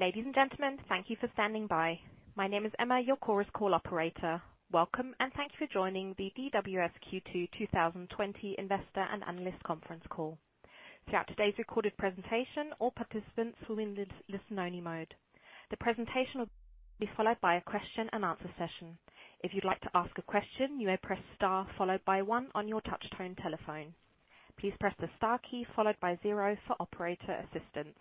Ladies and gentlemen, thank you for standing by. My name is Emma, your Chorus Call operator. Welcome, and thank you for joining the DWS Q2 2020 investor and analyst conference call. Throughout today's recorded presentation, all participants will be in listen-only mode. The presentation will be followed by a question-and-answer session. If you'd like to ask a question, you may press star followed by one on your touchtone telephone. Please press the star key followed by zero for operator assistance.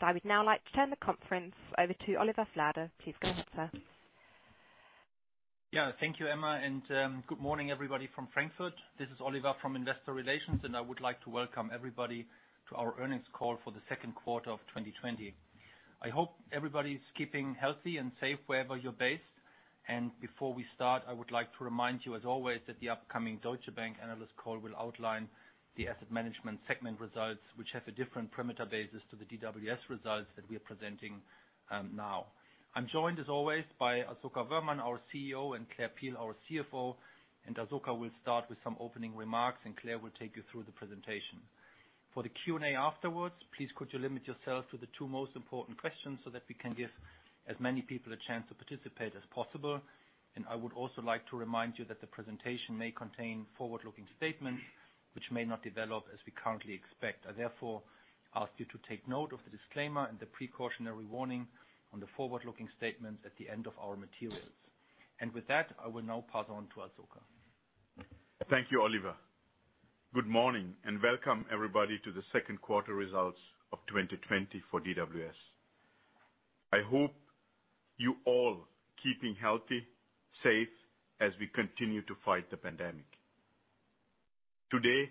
I would now like to turn the conference over to Oliver Flade. Please go ahead, sir. Yeah. Thank you, Emma, good morning everybody from Frankfurt. This is Oliver from Investor Relations, and I would like to welcome everybody to our earnings call for the second quarter of 2020. I hope everybody's keeping healthy and safe wherever you're based. Before we start, I would like to remind you, as always, that the upcoming Deutsche Bank analyst call will outline the asset management segment results, which have a different parameter basis to the DWS results that we are presenting now. I'm joined as always by Asoka Wöhrmann, our CEO, and Claire Peel, our CFO, and Asoka will start with some opening remarks, and Claire will take you through the presentation. For the Q&A afterwards, please could you limit yourself to the two most important questions so that we can give as many people a chance to participate as possible. I would also like to remind you that the presentation may contain forward-looking statements which may not develop as we currently expect. I therefore ask you to take note of the disclaimer and the precautionary warning on the forward-looking statements at the end of our materials. With that, I will now pass on to Asoka. Thank you, Oliver. Good morning and welcome everybody to the second quarter results of 2020 for DWS. I hope you all keeping healthy, safe, as we continue to fight the pandemic. Today,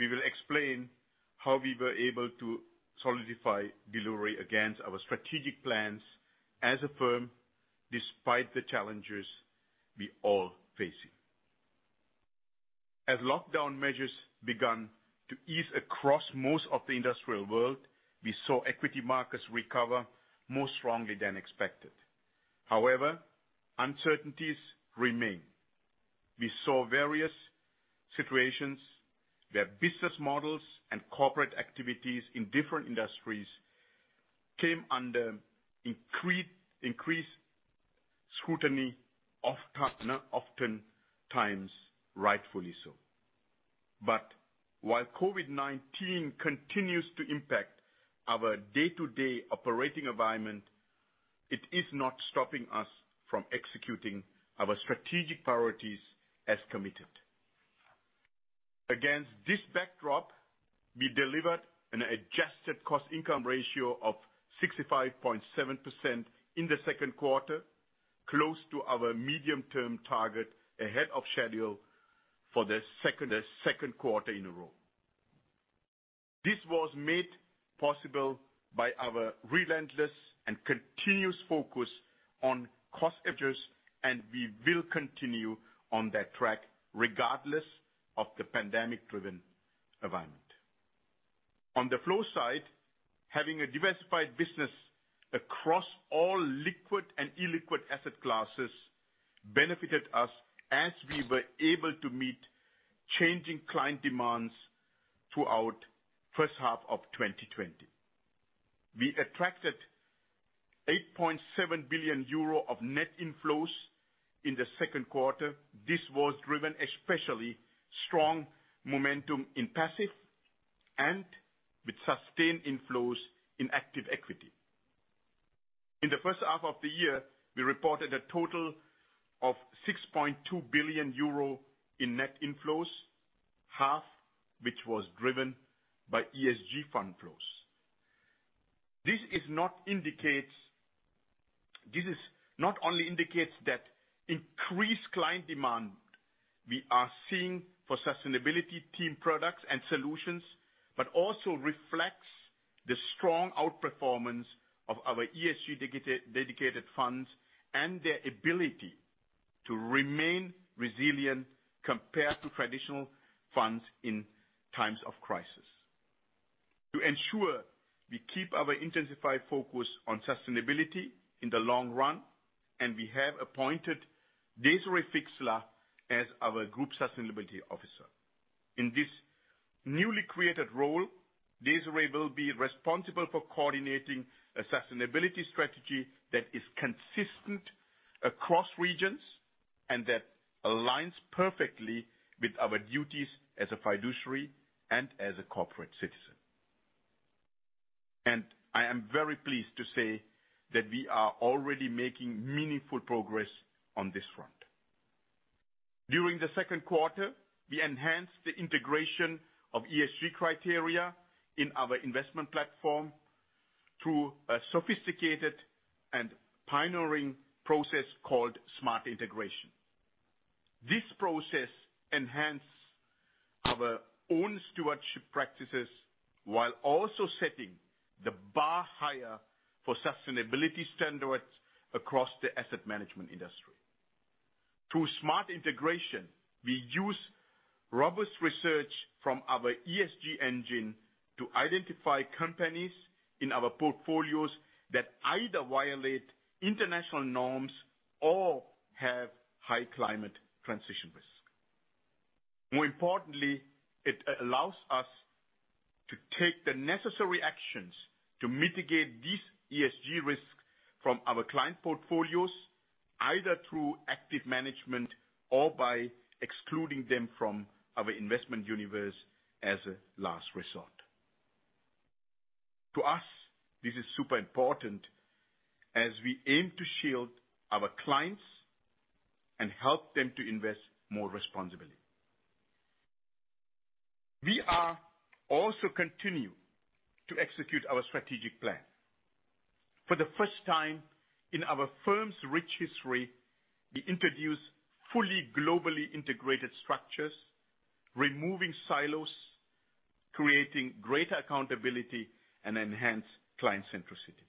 we will explain how we were able to solidify delivery against our strategic plans as a firm, despite the challenges we all facing. As lockdown measures began to ease across most of the industrial world, we saw equity markets recover more strongly than expected. However, uncertainties remain. We saw various situations where business models and corporate activities in different industries came under increased scrutiny, oftentimes rightfully so. While COVID-19 continues to impact our day-to-day operating environment, it is not stopping us from executing our strategic priorities as committed. Against this backdrop, we delivered an adjusted cost income ratio of 65.7% in the second quarter, close to our medium-term target ahead of schedule for the second quarter in a row. This was made possible by our relentless and continuous focus on cost efficiencies. We will continue on that track regardless of the pandemic-driven environment. On the flow side, having a diversified business across all liquid and illiquid asset classes benefited us as we were able to meet changing client demands throughout first half of 2020. We attracted 8.7 billion euro of net inflows in the second quarter. This was driven especially strong momentum in passive and with sustained inflows in active equity. In the first half of the year, we reported a total of 6.2 billion euro in net inflows, half which was driven by ESG fund flows. This not only indicates that increased client demand we are seeing for sustainability themed products and solutions, but also reflects the strong outperformance of our ESG-dedicated funds and their ability to remain resilient compared to traditional funds in times of crisis. To ensure we keep our intensified focus on sustainability in the long run, and we have appointed Desiree Fixler as our Group Sustainability Officer. In this newly created role, Desiree will be responsible for coordinating a sustainability strategy that is consistent across regions and that aligns perfectly with our duties as a fiduciary and as a corporate citizen. I am very pleased to say that we are already making meaningful progress on this front. During the second quarter, we enhanced the integration of ESG criteria in our investment platform through a sophisticated and pioneering process called Smart Integration. This process enhance our own stewardship practices while also setting the bar higher for sustainability standards across the asset management industry. Through Smart Integration, we use robust research from our ESG engine to identify companies in our portfolios that either violate international norms or have high climate transition risk. More importantly, it allows us to take the necessary actions to mitigate these ESG risks from our client portfolios, either through active management or by excluding them from our investment universe as a last resort. To us, this is super important as we aim to shield our clients and help them to invest more responsibly. We are also continuing to execute our strategic plan. For the first time in our firm's rich history, we introduce fully globally integrated structures, removing silos, creating greater accountability, and enhance client centricity.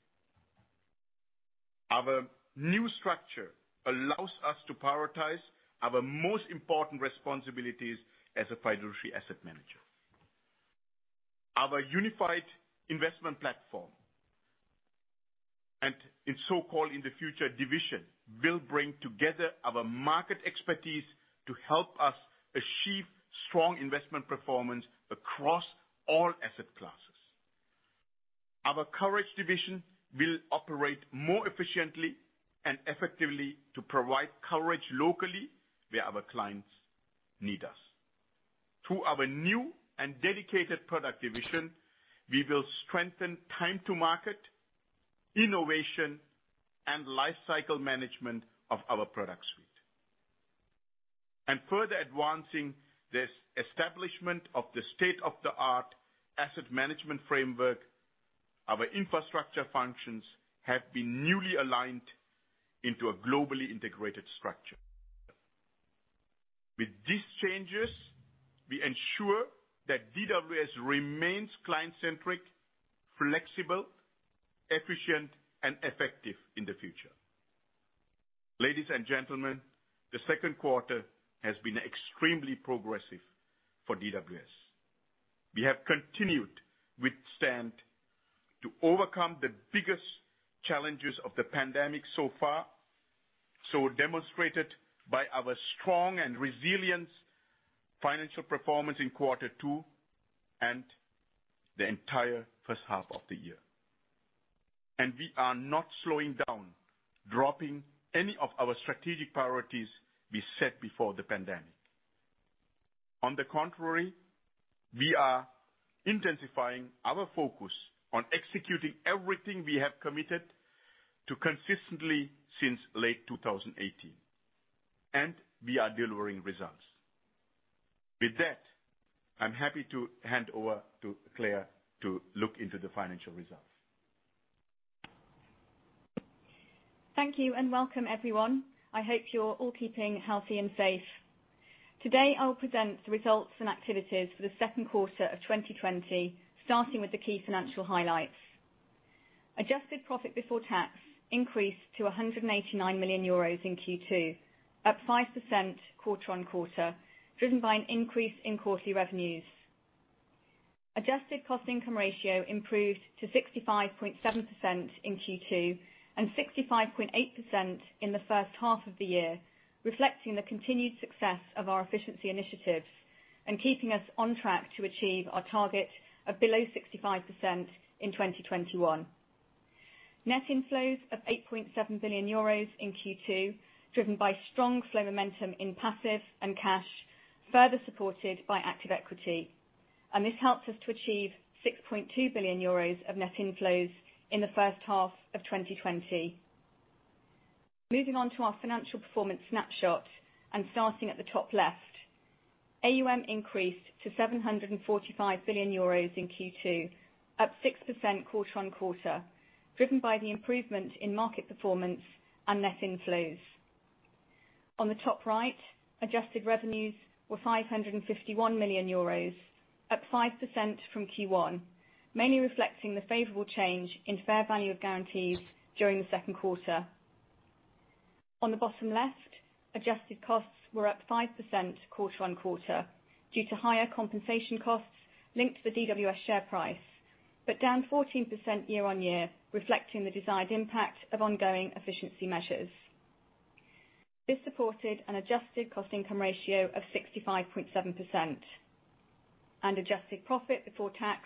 Our new structure allows us to prioritize our most important responsibilities as a fiduciary asset manager. Our unified investment platform, and its so-called in the future division, will bring together our market expertise to help us achieve strong investment performance across all asset classes. Our coverage division will operate more efficiently and effectively to provide coverage locally where our clients need us. Through our new and dedicated product division, we will strengthen time to market, innovation, and life cycle management of our product suite. Further advancing this establishment of the state-of-the-art asset management framework, our infrastructure functions have been newly aligned into a globally integrated structure. With these changes, we ensure that DWS remains client-centric, flexible, efficient, and effective in the future. Ladies and gentlemen, the second quarter has been extremely progressive for DWS. We have continued withstand to overcome the biggest challenges of the pandemic so far, so demonstrated by our strong and resilient financial performance in quarter two and the entire first half of the year. We are not slowing down, dropping any of our strategic priorities we set before the pandemic. On the contrary, we are intensifying our focus on executing everything we have committed to consistently since late 2018. We are delivering results. With that, I'm happy to hand over to Claire to look into the financial results. Thank you, and welcome, everyone. I hope you're all keeping healthy and safe. Today, I'll present the results and activities for the second quarter of 2020, starting with the key financial highlights. Adjusted profit before tax increased to 189 million euros in Q2, up 5% quarter-on-quarter, driven by an increase in quarterly revenues. Adjusted cost income ratio improved to 65.7% in Q2 and 65.8% in the first half of the year, reflecting the continued success of our efficiency initiatives and keeping us on track to achieve our target of below 65% in 2021. Net inflows of 8.7 billion euros in Q2, driven by strong flow momentum in passive and cash, further supported by active equity. This helps us to achieve 6.2 billion euros of net inflows in the first half of 2020. Moving on to our financial performance snapshot and starting at the top left. AUM increased to 745 billion euros in Q2, up 6% quarter-on-quarter, driven by the improvement in market performance and net inflows. On the top right, adjusted revenues were 551 million euros, up 5% from Q1, mainly reflecting the favorable change in fair value of guarantees during the second quarter. On the bottom left, adjusted costs were up 5% quarter-on-quarter due to higher compensation costs linked to the DWS share price. Down 14% year-on-year, reflecting the desired impact of ongoing efficiency measures. This supported an adjusted cost income ratio of 65.7%. Adjusted profit before tax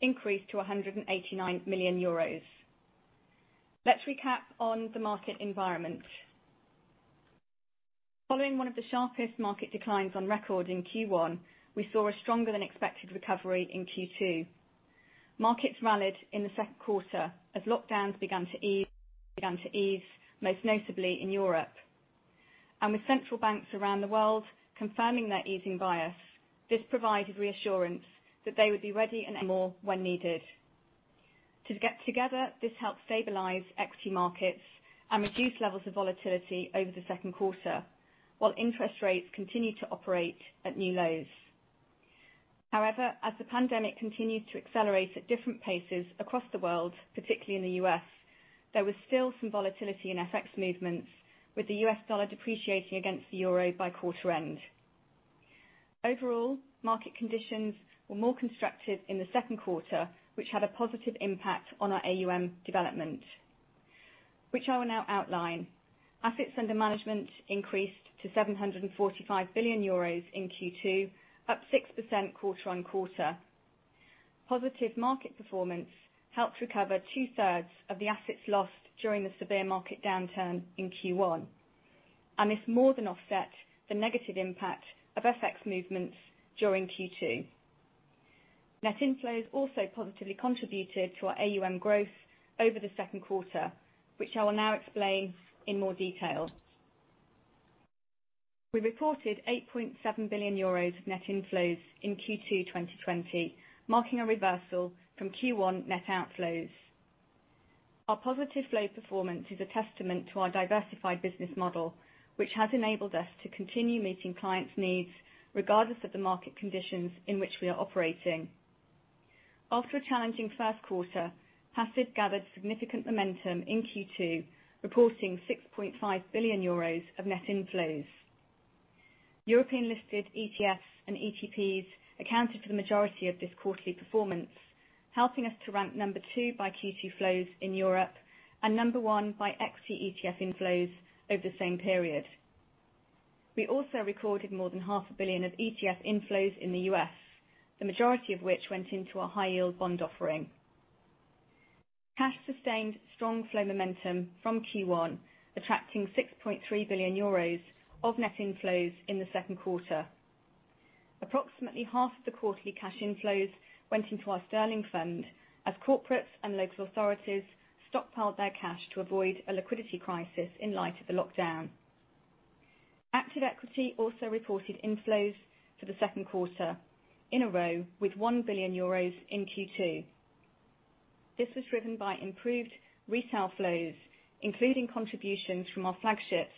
increased to 189 million euros. Let's recap on the market environment. Following one of the sharpest market declines on record in Q1, we saw a stronger than expected recovery in Q2. Markets rallied in the second quarter as lockdowns began to ease, most notably in Europe. With central banks around the world confirming their easing bias, this provided reassurance that they would be ready and more when needed. This helped stabilize equity markets and reduce levels of volatility over the second quarter, while interest rates continued to operate at new lows. As the pandemic continued to accelerate at different paces across the world, particularly in the U.S., there was still some volatility in FX movements, with the U.S. dollar depreciating against the euro by quarter end. Overall, market conditions were more constructive in the second quarter, which had a positive impact on our AUM development which I will now outline. Assets under management increased to 745 billion euros in Q2, up 6% quarter-on-quarter. Positive market performance helped recover 2/3 of the assets lost during the severe market downturn in Q1. This more than offset the negative impact of FX movements during Q2. Net inflows also positively contributed to our AUM growth over the second quarter, which I will now explain in more detail. We reported 8.7 billion euros of net inflows in Q2 2020, marking a reversal from Q1 net outflows. Our positive flow performance is a testament to our diversified business model, which has enabled us to continue meeting clients' needs regardless of the market conditions in which we are operating. After a challenging first quarter, passive gathered significant momentum in Q2, reporting 6.5 billion euros of net inflows. European-listed ETFs and ETPs accounted for the majority of this quarterly performance, helping us to rank number two by Q2 flows in Europe and number one by equity ETF inflows over the same period. We also recorded more than half a billion of ETF inflows in the U.S., the majority of which went into our high-yield bond offering. Cash sustained strong flow momentum from Q1, attracting 6.3 billion euros of net inflows in the second quarter. Approximately half of the quarterly cash inflows went into our sterling fund, as corporates and local authorities stockpiled their cash to avoid a liquidity crisis in light of the lockdown. Active equity also reported inflows for the second quarter in a row, with 1 billion euros in Q2. This was driven by improved retail flows, including contributions from our flagships,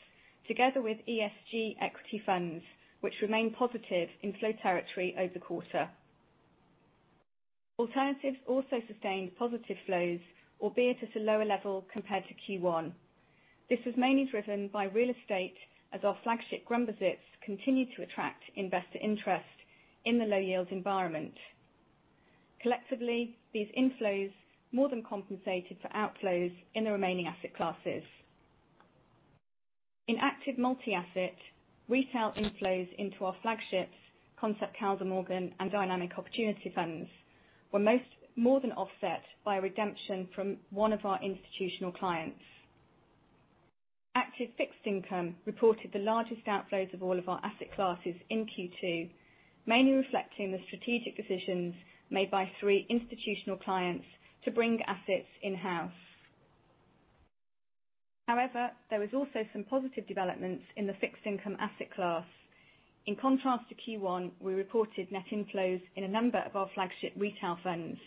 together with ESG equity funds, which remain positive in flow territory over the quarter. Alternatives also sustained positive flows, albeit at a lower level compared to Q1. This was mainly driven by real estate, as our flagship Grundbesitz continued to attract investor interest in the low-yield environment. Collectively, these inflows more than compensated for outflows in the remaining asset classes. In active multi-asset, retail inflows into our flagships, Concept Kaldemorgen and DWS Invest ESG Dynamic Opportunities funds, were more than offset by a redemption from one of our institutional clients. Active fixed income reported the largest outflows of all of our asset classes in Q2, mainly reflecting the strategic decisions made by three institutional clients to bring assets in-house. There was also some positive developments in the fixed income asset class. In contrast to Q1, we reported net inflows in a number of our flagship retail funds,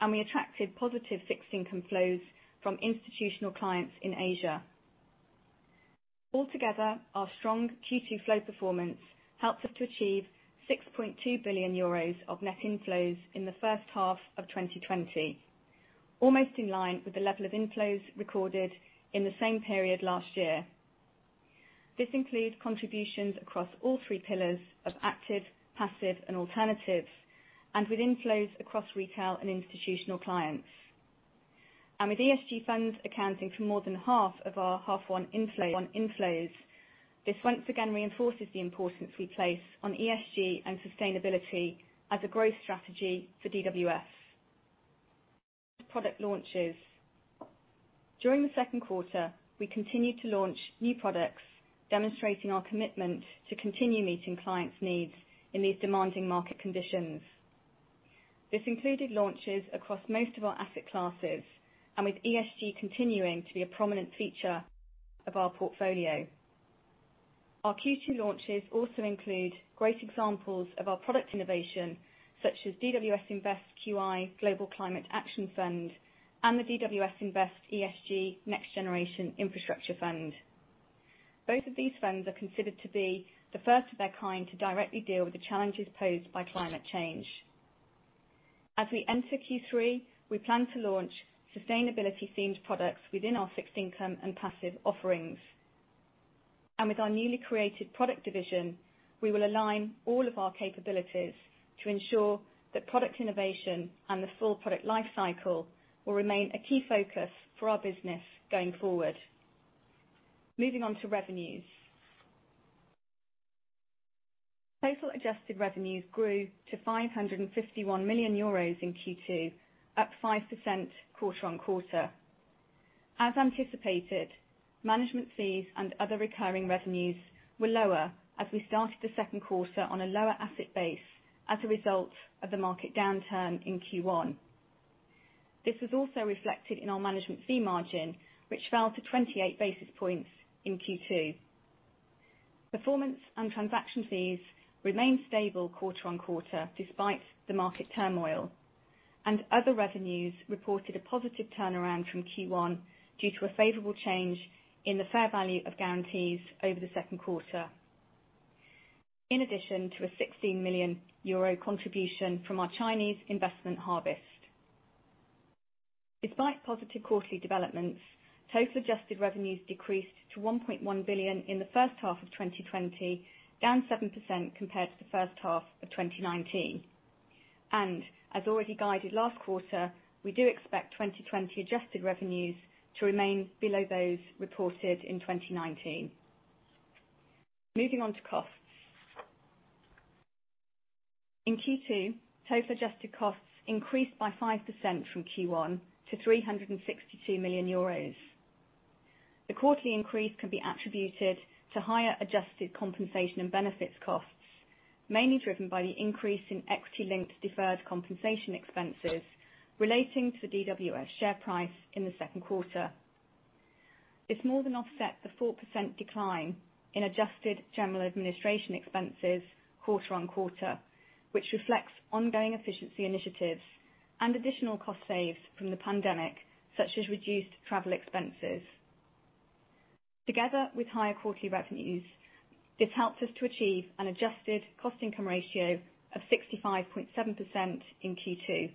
and we attracted positive fixed income flows from institutional clients in Asia. Our strong Q2 flow performance helped us to achieve 6.2 billion euros of net inflows in the first half of 2020, almost in line with the level of inflows recorded in the same period last year. This includes contributions across all three pillars of active, passive, and alternatives, and with inflows across retail and institutional clients. With ESG funds accounting for more than half of our half one inflows, this once again reinforces the importance we place on ESG and sustainability as a growth strategy for DWS. Product launches. During the second quarter, we continued to launch new products, demonstrating our commitment to continue meeting clients' needs in these demanding market conditions. This included launches across most of our asset classes, and with ESG continuing to be a prominent feature of our portfolio. Our Q2 launches also include great examples of our product innovation, such as DWS Invest QI Global Climate Action Fund and the DWS Invest ESG Next Generation Infrastructure Fund. Both of these funds are considered to be the first of their kind to directly deal with the challenges posed by climate change. As we enter Q3, we plan to launch sustainability-themed products within our fixed income and passive offerings. With our newly created product division, we will align all of our capabilities to ensure that product innovation and the full product life cycle will remain a key focus for our business going forward. Moving on to revenues. Total adjusted revenues grew to 551 million euros in Q2, up 5% quarter-on-quarter. As anticipated, management fees and other recurring revenues were lower as we started the second quarter on a lower asset base as a result of the market downturn in Q1. This was also reflected in our management fee margin, which fell to 28 basis points in Q2. Performance and transaction fees remained stable quarter-on-quarter despite the market turmoil, and other revenues reported a positive turnaround from Q1 due to a favorable change in the fair value of guarantees over the second quarter, in addition to a 16 million euro contribution from our Chinese investment Harvest. Despite positive quarterly developments, total adjusted revenues decreased to 1.1 billion in the first half of 2020, down 7% compared to the first half of 2019. As already guided last quarter, we do expect 2020 adjusted revenues to remain below those reported in 2019. Moving on to costs. In Q2, total adjusted costs increased by 5% from Q1 to 362 million euros. The quarterly increase can be attributed to higher adjusted compensation and benefits costs, mainly driven by the increase in equity-linked deferred compensation expenses relating to the DWS share price in the second quarter. This more than offset the 4% decline in adjusted general administration expenses quarter-on-quarter, which reflects ongoing efficiency initiatives and additional cost saves from the pandemic, such as reduced travel expenses. Together with higher quarterly revenues, this helps us to achieve an adjusted cost income ratio of 65.7% in Q2.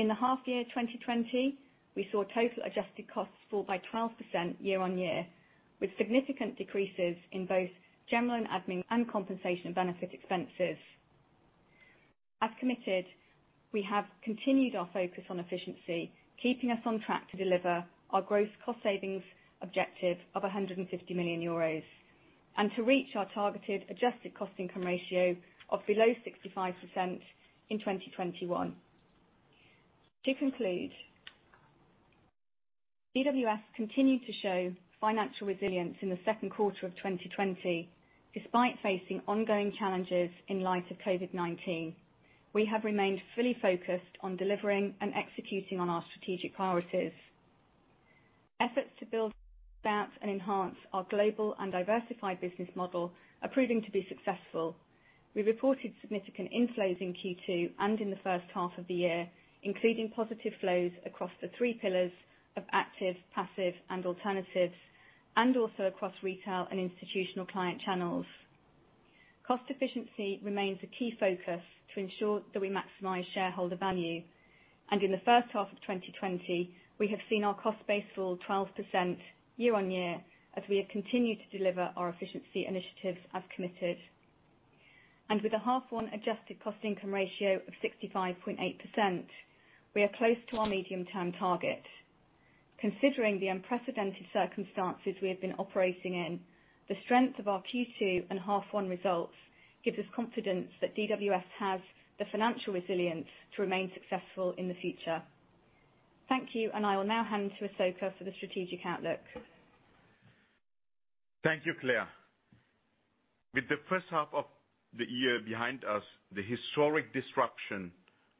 In the half year 2020, we saw total adjusted costs fall by 12% year-on-year, with significant decreases in both general and admin and compensation benefit expenses. As committed, we have continued our focus on efficiency, keeping us on track to deliver our growth cost savings objective of 150 million euros, and to reach our targeted adjusted cost income ratio of below 65% in 2021. To conclude, DWS continued to show financial resilience in the second quarter of 2020. Despite facing ongoing challenges in light of COVID-19, we have remained fully focused on delivering and executing on our strategic priorities. Efforts to build, bounce and enhance our global and diversified business model are proving to be successful. We reported significant inflows in Q2 and in the first half of the year, including positive flows across the three pillars of active, passive and alternatives, and also across retail and institutional client channels. Cost efficiency remains a key focus to ensure that we maximize shareholder value. In the first half of 2020, we have seen our cost base fall 12% year-on-year as we have continued to deliver our efficiency initiatives as committed. With a half one adjusted cost income ratio of 65.8%, we are close to our medium-term target. Considering the unprecedented circumstances we have been operating in, the strength of our Q2 and half one results gives us confidence that DWS has the financial resilience to remain successful in the future. Thank you. I will now hand to Asoka for the strategic outlook. Thank you, Claire. With the first half of the year behind us, the historic disruption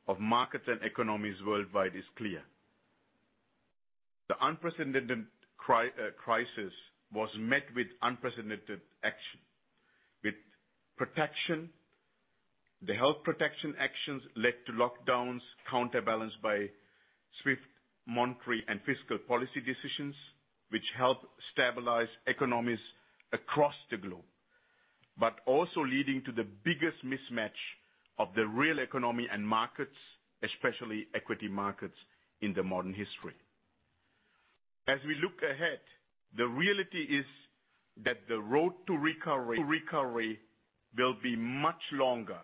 of markets and economies worldwide is clear. The unprecedented crisis was met with unprecedented action. With protection, the health protection actions led to lockdowns, counterbalanced by swift monetary and fiscal policy decisions, which helped stabilize economies across the globe, but also leading to the biggest mismatch of the real economy and markets, especially equity markets, in the modern history. As we look ahead, the reality is that the road to recovery will be much longer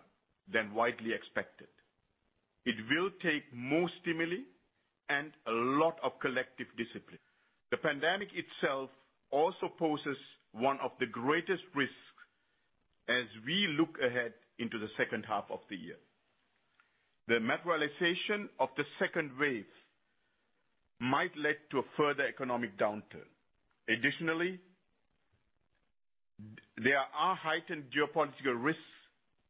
than widely expected. It will take more stimuli and a lot of collective discipline. The pandemic itself also poses one of the greatest risks as we look ahead into the second half of the year. The materialization of the second wave might lead to a further economic downturn. Additionally, there are heightened geopolitical risks,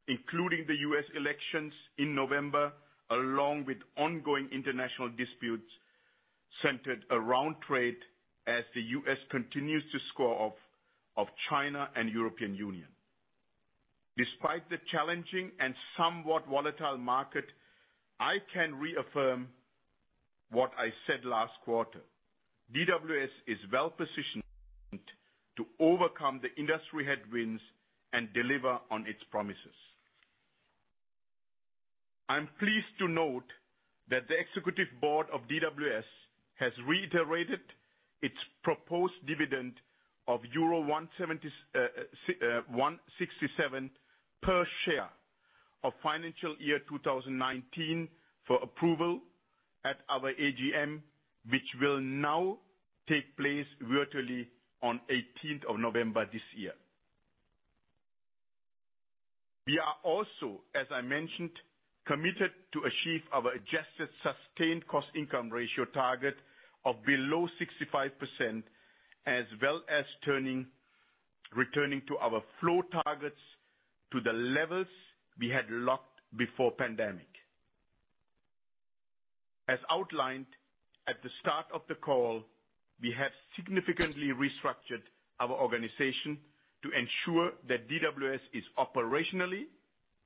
including the U.S. elections in November, along with ongoing international disputes centered around trade as the U.S. continues to score off of China and European Union. Despite the challenging and somewhat volatile market, I can reaffirm what I said last quarter. DWS is well-positioned to overcome the industry headwinds and deliver on its promises. I'm pleased to note that the executive board of DWS has reiterated its proposed dividend of euro 1.67 per share of financial year 2019 for approval at our AGM, which will now take place virtually on 18th of November this year. We are also, as I mentioned, committed to achieve our adjusted sustained cost income ratio target of below 65%, as well as returning to our flow targets to the levels we had locked before pandemic. As outlined at the start of the call, we have significantly restructured our organization to ensure that DWS is operationally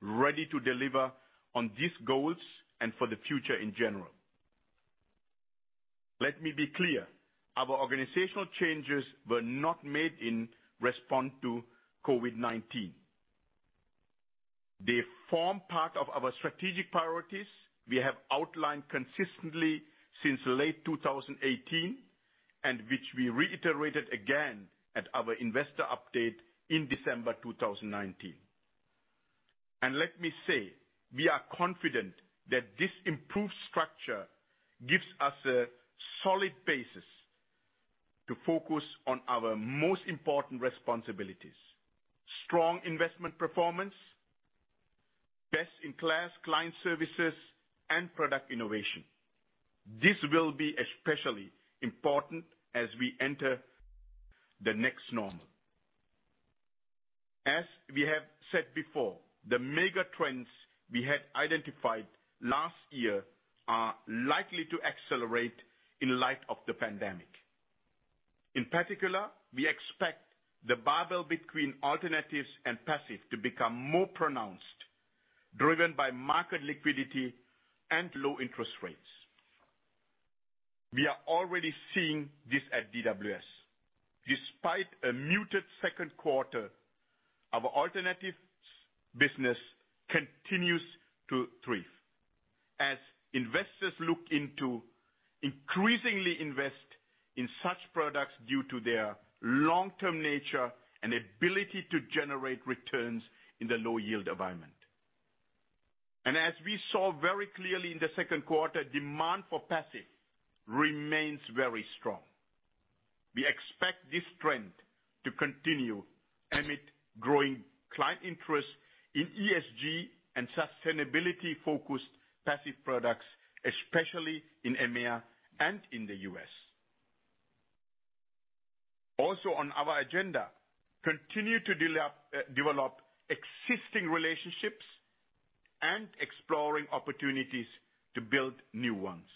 ready to deliver on these goals and for the future in general. Let me be clear, our organizational changes were not made in response to COVID-19. They form part of our strategic priorities we have outlined consistently since late 2018 which we reiterated again at our investor update in December 2019. Let me say, we are confident that this improved structure gives us a solid basis to focus on our most important responsibilities, strong investment performance, best-in-class client services, and product innovation. This will be especially important as we enter the next normal. As we have said before, the mega trends we had identified last year are likely to accelerate in light of the pandemic. In particular, we expect the bifurcation between Alternatives and passive to become more pronounced, driven by market liquidity and low interest rates. We are already seeing this at DWS. Despite a muted second quarter, our Alternatives business continues to thrive. As investors look into increasingly invest in such products due to their long-term nature and ability to generate returns in the low yield environment. As we saw very clearly in the second quarter, demand for passive remains very strong. We expect this trend to continue amid growing client interest in ESG and sustainability-focused passive products, especially in EMEA and in the U.S. Also on our agenda, continue to develop existing relationships and exploring opportunities to build new ones.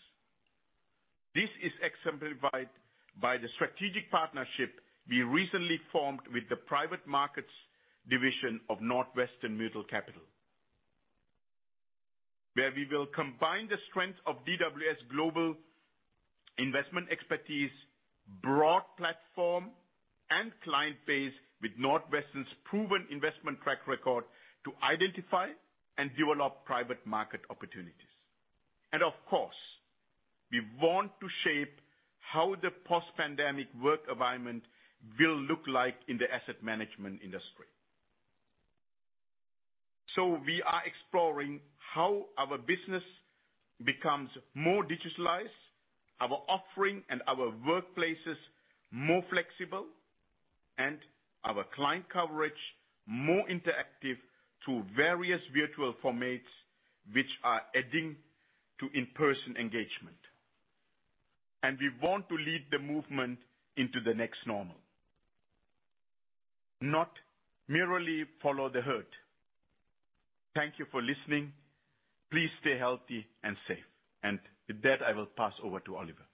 This is exemplified by the strategic partnership we recently formed with the private markets division of Northwestern Mutual Capital, where we will combine the strength of DWS global investment expertise, broad platform, and client base with Northwestern's proven investment track record to identify and develop private market opportunities. Of course, we want to shape how the post-pandemic work environment will look like in the asset management industry. We are exploring how our business becomes more digitalized, our offering and our workplaces more flexible, and our client coverage more interactive to various virtual formats, which are adding to in-person engagement. We want to lead the movement into the next normal, not merely follow the herd. Thank you for listening. Please stay healthy and safe. With that, I will pass over to Oliver.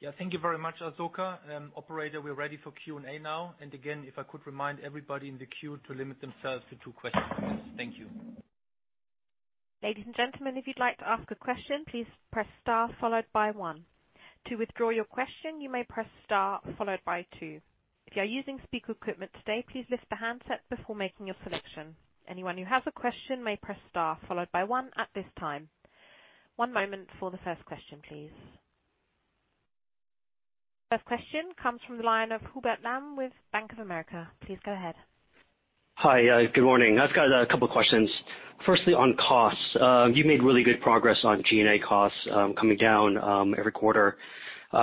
Yeah, thank you very much, Asoka. Operator, we're ready for Q&A now. Again, if I could remind everybody in the queue to limit themselves to two questions please. Thank you. Ladies and gentlemen, if you'd like to ask a question, please press star followed by one. To withdraw your question, you may press star followed by two. If you are using speaker equipment today, please lift the handset before making your selection. Anyone who has a question may press star followed by one at this time. One moment for the first question, please. First question comes from the line of Hubert Lam with Bank of America. Please go ahead. Hi, good morning. I've got a couple questions. Firstly, on costs. You made really good progress on G&A costs coming down every quarter.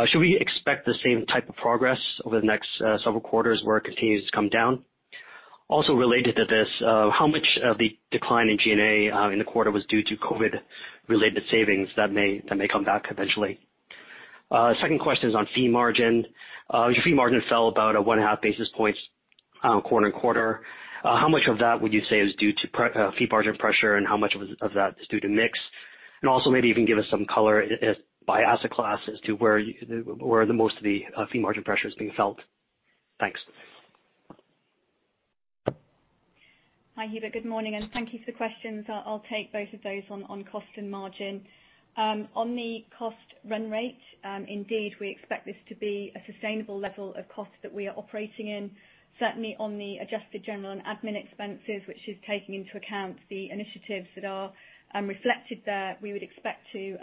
Should we expect the same type of progress over the next several quarters where it continues to come down? Also related to this, how much of the decline in G&A in the quarter was due to COVID-related savings that may come back eventually? Second question is on fee margin. Your fee margin fell about 1.5 basis points quarter and quarter. How much of that would you say is due to fee margin pressure, and how much of that is due to mix? Also maybe even give us some color by asset class as to where the most of the fee margin pressure is being felt. Thanks. Hi, Hubert. Good morning. Thank you for the questions. I'll take both of those on cost and margin. On the cost run rate, indeed, we expect this to be a sustainable level of cost that we are operating in. Certainly on the adjusted general and admin expenses, which is taking into account the initiatives that are reflected there, we would expect to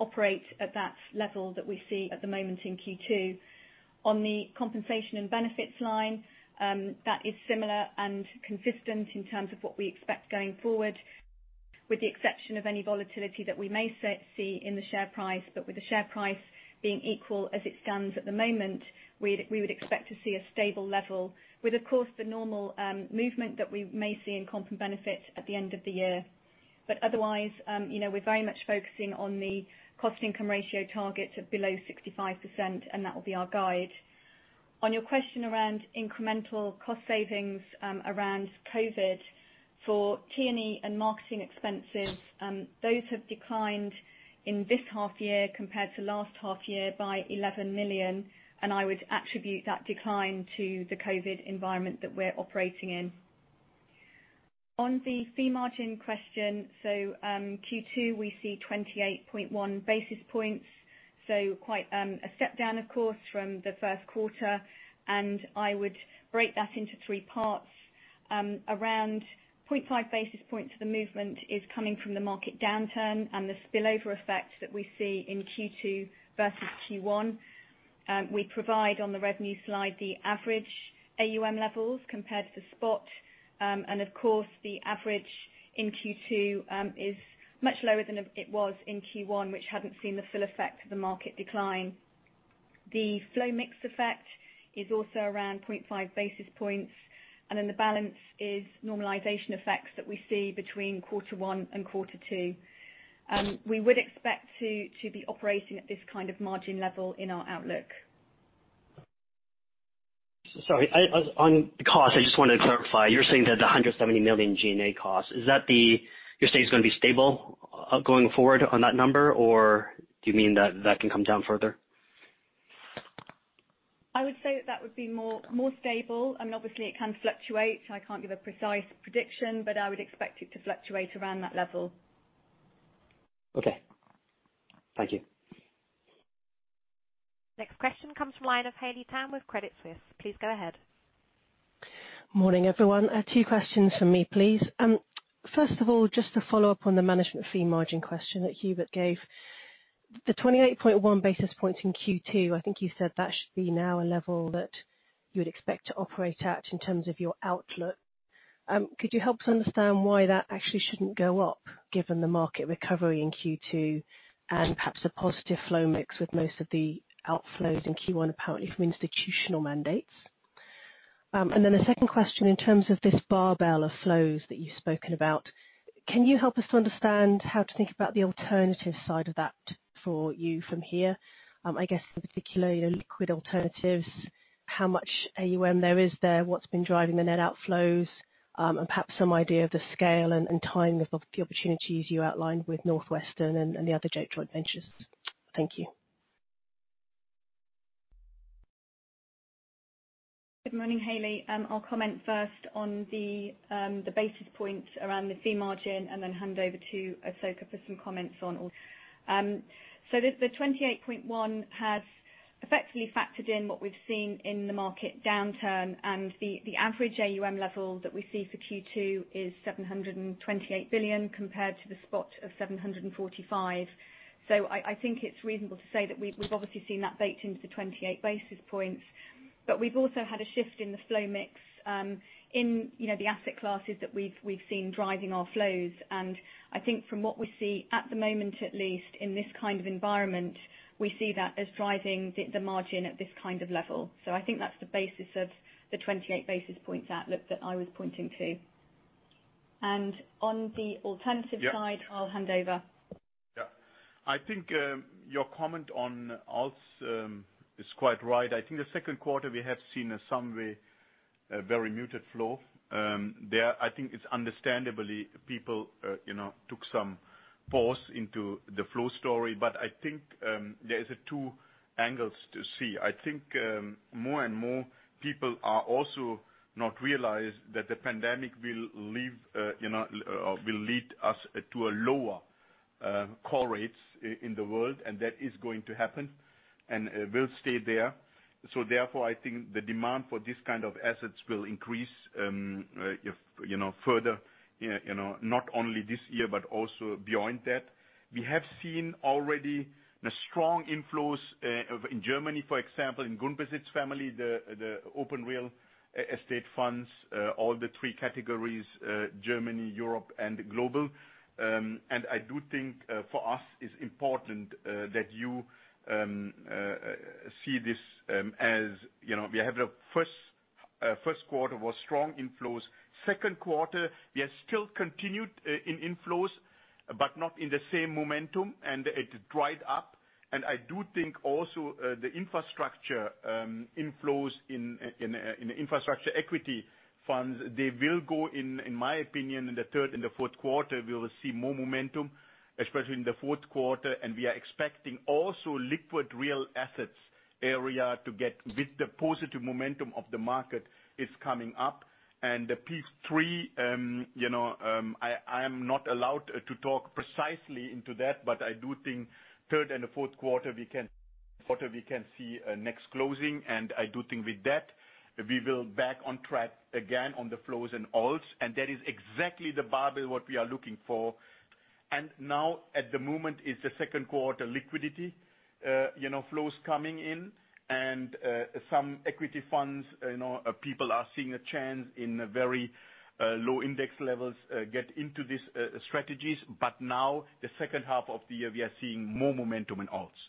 operate at that level that we see at the moment in Q2. On the compensation and benefits line, that is similar and consistent in terms of what we expect going forward, with the exception of any volatility that we may see in the share price. With the share price being equal as it stands at the moment, we would expect to see a stable level with, of course, the normal movement that we may see in comp and benefit at the end of the year. Otherwise, we're very much focusing on the cost income ratio target of below 65%, and that will be our guide. On your question around incremental cost savings around COVID for T&E and marketing expenses, those have declined in this half year compared to last half year by 11 million, and I would attribute that decline to the COVID environment that we're operating in. On the fee margin question. Q2, we see 28.1 basis points. Quite a step down, of course, from the first quarter, and I would break that into three parts. Around 0.5 basis points of the movement is coming from the market downturn and the spillover effect that we see in Q2 versus Q1. We provide on the revenue slide the average AUM levels compared to the spot. Of course, the average in Q2 is much lower than it was in Q1, which hadn't seen the full effect of the market decline. The flow mix effect is also around 0.5 basis points, and then the balance is normalization effects that we see between quarter one and quarter two. We would expect to be operating at this kind of margin level in our outlook. Sorry. On the cost, I just wanted to clarify. You're saying that the 170 million G&A cost, you're saying it's going to be stable going forward on that number, or do you mean that can come down further? I would say that would be more stable, and obviously it can fluctuate. I can't give a precise prediction, but I would expect it to fluctuate around that level. Okay. Thank you. Next question comes from the line of Haley Tam with Credit Suisse. Please go ahead. Morning, everyone. Two questions from me, please. First of all, just to follow up on the management fee margin question that Hubert gave. The 28.1 basis points in Q2, I think you said that should be now a level that you would expect to operate at in terms of your outlook. Could you help to understand why that actually shouldn't go up given the market recovery in Q2 and perhaps a positive flow mix with most of the outflows in Q1, apparently from institutional mandates? The second question in terms of this barbell of flows that you've spoken about. Can you help us to understand how to think about the alternative side of that for you from here? I guess in particular, your liquid alternatives, how much AUM there is there, what's been driving the net outflows, and perhaps some idea of the scale and timing of the opportunities you outlined with Northwestern and the other joint ventures. Thank you. Good morning, Haley. I'll comment first on the basis points around the fee margin and then hand over to Asoka for some comments on Alts. The 28.1 has effectively factored in what we've seen in the market downturn, and the average AUM level that we see for Q2 is 728 billion compared to the spot of 745. I think it's reasonable to say that we've obviously seen that baked into the 28 basis points. We've also had a shift in the flow mix, in the asset classes that we've seen driving our flows. I think from what we see at the moment, at least in this kind of environment, we see that as driving the margin at this kind of level. I think that's the basis of the 28 basis points outlook that I was pointing to. On the alternative side- Yeah. ...I'll hand over. Yeah. I think your comment on Alts is quite right. I think the second quarter, we have seen in some way a very muted flow. There I think it's understandably people took some pause into the flow story. I think there is two angles to see. I think more and more people are also not realized that the pandemic will lead us to lower core rates in the world, that is going to happen and will stay there. Therefore, I think the demand for this kind of assets will increase further, not only this year but also beyond that. We have seen already the strong inflows in Germany, for example, in Grundbesitz family, the open real estate funds, all the three categories, Germany, Europe, and global. I do think for us, it's important that you see this as we have the first quarter was strong inflows. Second quarter, we are still continued in inflows but not in the same momentum, and it dried up. I do think also the infrastructure inflows in the infrastructure equity funds, they will go in my opinion, in the third and the fourth quarter, we will see more momentum, especially in the fourth quarter. We are expecting also liquid real assets area to get with the positive momentum of the market is coming up. The Pillar 3, I am not allowed to talk precisely into that, but I do think third and the fourth quarter we can see a next closing. I do think with that, we will be back on track again on the flows and Alts. That is exactly the barbell, what we are looking for. Now at the moment is the second quarter liquidity flows coming in and some equity funds, people are seeing a chance in very low index levels get into these strategies. Now the second half of the year, we are seeing more momentum in Alts.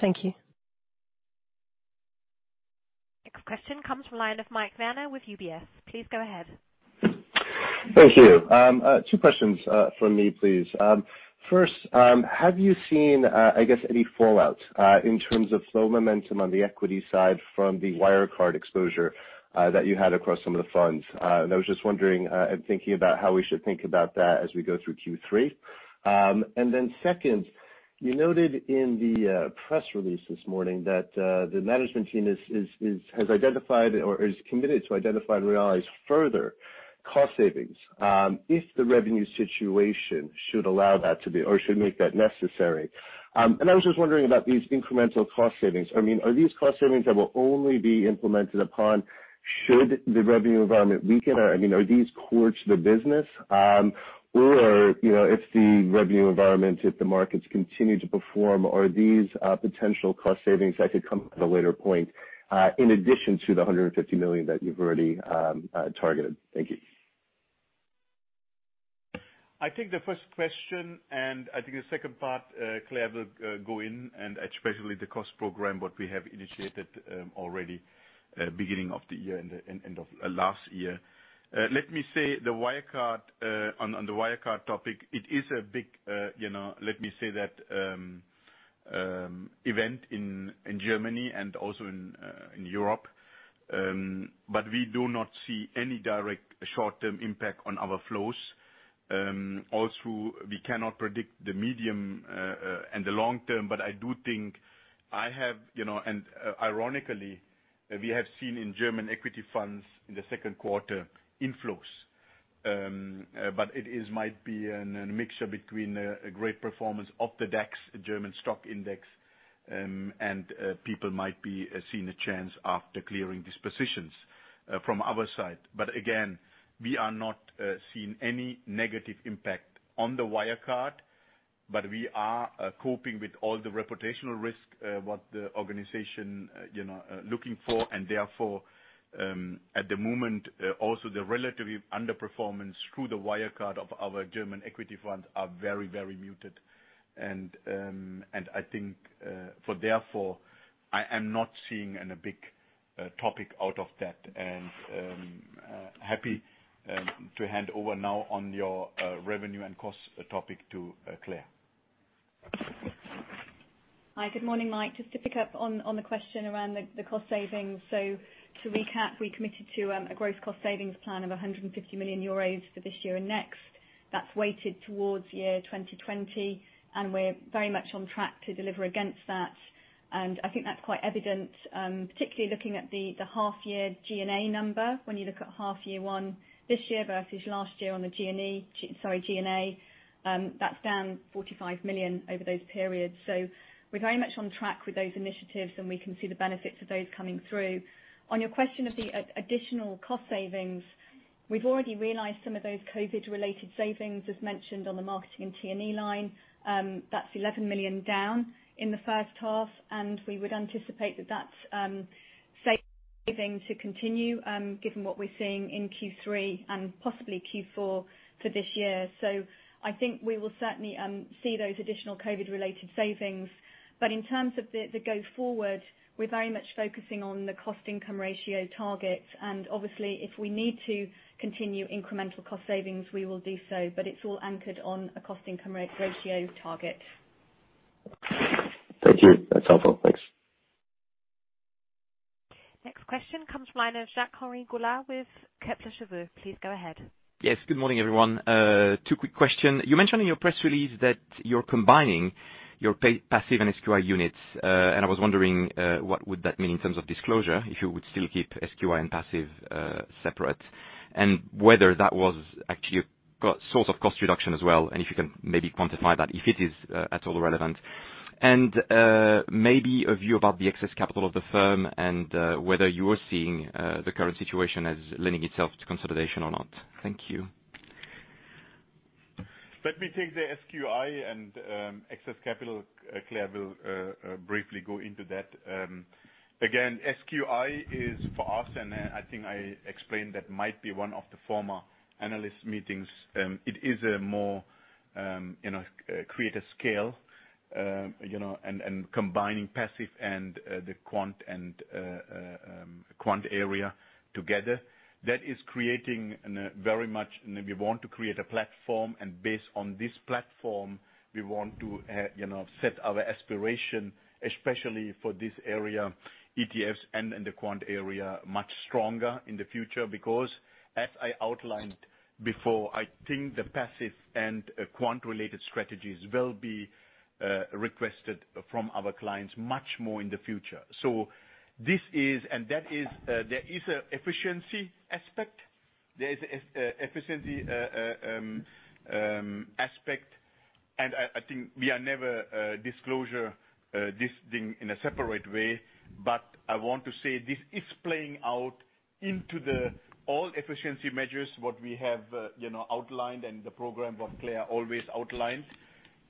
Thank you. Next question comes from the line of Mike Werner with UBS. Please go ahead. Thank you. Two questions from me, please. First, have you seen, I guess, any fallout in terms of flow momentum on the equity side from the Wirecard exposure that you had across some of the funds? I was just wondering and thinking about how we should think about that as we go through Q3. Then second, you noted in the press release this morning that the management team has identified or is committed to identifying realities further Cost savings if the revenue situation should allow that to be, or should make that necessary. I was just wondering about these incremental cost savings. Are these cost savings that will only be implemented upon should the revenue environment weaken? Are these core to the business? If the revenue environment, if the markets continue to perform, are these potential cost savings that could come at a later point, in addition to the 150 million that you've already targeted? Thank you. I take the first question. I think the second part, Claire will go in, especially the cost program what we have initiated already beginning of the year, end of last year. Let me say, on the Wirecard topic, it is a big event in Germany and also in Europe. We do not see any direct short-term impact on our flows. Also, we cannot predict the medium and the long-term. I do think, ironically, we have seen in German equity funds in the second quarter inflows. It might be a mixture between a great performance of the DAX, German stock index, people might be seeing a chance after clearing these positions from our side. Again, we are not seeing any negative impact on the Wirecard. We are coping with all the reputational risk, what the organization looking for. Therefore, at the moment, also the relative underperformance through the Wirecard of our German equity funds are very muted. I think therefore, I am not seeing a big topic out of that, and happy to hand over now on your revenue and cost topic to Claire. Hi, good morning, Mike. Just to pick up on the question around the cost savings. To recap, we committed to a gross cost savings plan of 150 million euros for this year and next. That's weighted towards year 2020, and we're very much on track to deliver against that. I think that's quite evident, particularly looking at the half-year G&A number. When you look at half-year one this year versus last year on the G&E, sorry G&A, that's down 45 million over those periods. We're very much on track with those initiatives, and we can see the benefits of those coming through. On your question of the additional cost savings, we've already realized some of those COVID-19-related savings as mentioned on the marketing and T&E line. That's 11 million down in the first half. We would anticipate that saving to continue, given what we're seeing in Q3 and possibly Q4 for this year. I think we will certainly see those additional COVID-related savings. In terms of the go forward, we're very much focusing on the cost-income ratio target. Obviously, if we need to continue incremental cost savings, we will do so, but it's all anchored on a cost-income ratio target. Thank you. That's helpful. Thanks. Next question comes from line of Jacques-Henri Gaulard with Kepler Cheuvreux. Please go ahead. Yes. Good morning, everyone. Two quick question. You mentioned in your press release that you're combining your passive and SQI units, I was wondering what would that mean in terms of disclosure, if you would still keep SQI and passive separate. Whether that was actually a source of cost reduction as well, and if you can maybe quantify that if it is at all relevant. Maybe a view about the excess capital of the firm and whether you are seeing the current situation as lending itself to consolidation or not. Thank you. Let me take the SQI and excess capital. Claire will briefly go into that. SQI is for us, and I think I explained that might be one of the former analyst meetings. It is a more create a scale, and combining passive and the quant area together. We want to create a platform, and based on this platform, we want to set our aspiration, especially for this area, ETFs and the quant area, much stronger in the future. As I outlined before, I think the passive and quant-related strategies will be requested from our clients much more in the future. There is an efficiency aspect. There is efficiency aspect, and I think we are never disclosure this thing in a separate way, but I want to say this is playing out into the all efficiency measures, what we have outlined and the program what Claire always outlines.